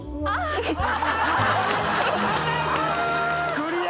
クリア。